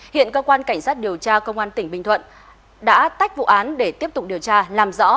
hiện cơ quan cảnh sát điều tra công an tỉnh bình thuận đã tách vụ án để tiếp tục điều tra làm rõ